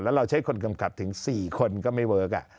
แล้วเราใช้คนกำกับถึง๔คนก็ไม่เวิร์ค